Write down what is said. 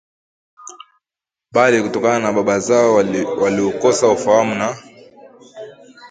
bali kutokamana na baba zao waliokosa ufahamu na